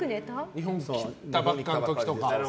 日本に来たばっかりの時とか？